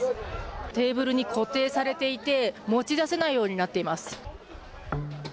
テーブルに固定されていて持ち出せないようになっています。